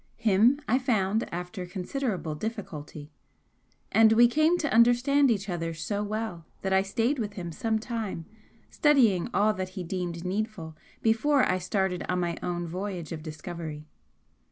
Him I found after considerable difficulty and we came to understand each other so well that I stayed with him some time studying all that he deemed needful before I started on my own voyage of discovery.